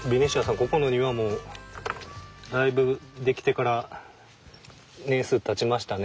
ここの庭もだいぶ出来てから年数たちましたね。